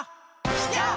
やっ！